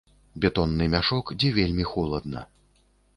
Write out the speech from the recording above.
Бетонны мяшок, дзе вельмі холадна.